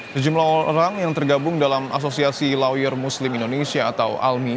sejumlah orang yang tergabung dalam asosiasi lawyer muslim indonesia atau almi